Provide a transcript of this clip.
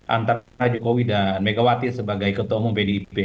antara jokowi dan megawati sebagai ketua umum pdip